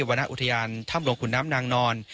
วรรณอุทยานถ้ำหลวงขุนน้ำนางนอน